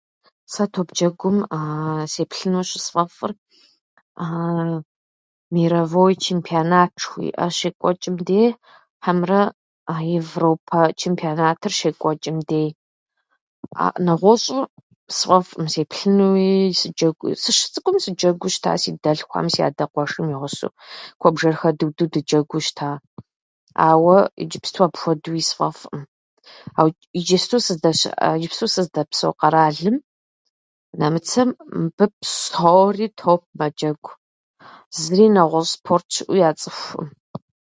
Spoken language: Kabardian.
Сэ топджэгум сеплъыну щысфӏэфӏыр мировой чемпионат жыхуиӏэр щекӏуэчӏым деи хьэмэрэ а европэ чемпионатыр щекӏуэчӏым деи. аӏ- Нэгъуэщӏу сфӏэфӏӏым сеплъынууи сыджэ-. Сыщыцӏыкӏум сыджэгуу щыта си дэлъхухэм си адэ къуэшым и гъусэу. Куэбжэр хэдуду дыджэгуу щыта, ауэ иджыпсту апхуэдууи сфӏэфӏӏым. Иджыпсту сыздэщыӏэм- Иджыпсту сыздэпсэу къэралым (Нэмыцэм), мыбы псори топ мэджэгу. Зыри нэгъуэщӏ спорт щыӏэу яцӏыхуӏым.